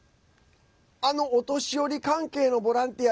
お年寄り関係のボランティア